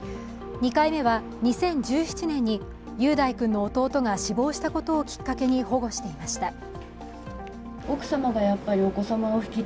２回目は２０１７年に雄大君の弟が死亡したことをきっかけに保護していました。